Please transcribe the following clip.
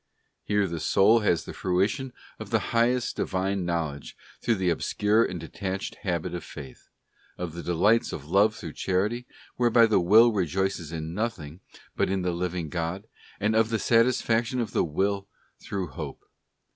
Here the soul has the fruition of the highest Divine know ledge through the obscure and detached habit of Faith; of the delights of love through Charity, whereby the, will rejoices in nothing but in the living God; and of the satis faction of the will through Hope.